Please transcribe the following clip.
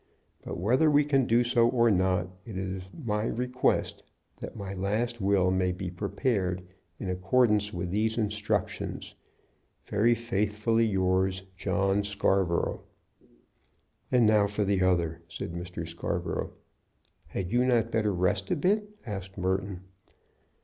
But whether we can do so or not, it is my request that my last will may be prepared in accordance with these instructions. "Very faithfully yours, "JOHN SCARBOROUGH." "And now for the other," said Mr. Scarborough. "Had you not better rest a bit?" asked Merton.